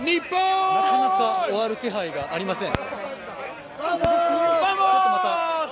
なかなか終わる気配がありません。